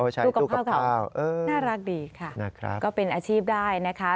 ใช้ตู้กะพร่าวน่ารักดีค่ะนะครับก็เป็นอาชีพได้นะคะ